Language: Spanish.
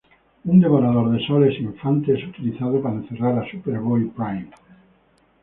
Un Devorador de Soles "infante" es utilizado para encerrar a Superboy Prime.